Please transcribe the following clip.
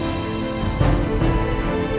mama aku pasti ke sini